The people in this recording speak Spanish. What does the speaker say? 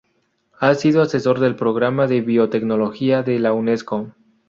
Ha sido asesor del programa de biotecnología de la Unesco.